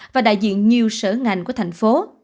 và đại diện nhiều sở ngành của thành phố